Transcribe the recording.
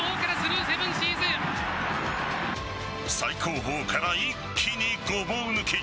最後方から一気にごぼう抜き。